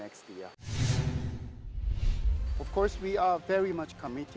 tentunya kami sangat berkomitmen